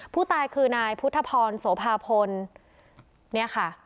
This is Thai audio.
ผู้ตายคือนายพุทธพรโสภาพลเนี่ยค่ะ